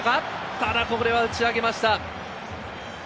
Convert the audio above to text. ただこれは打ち上げました。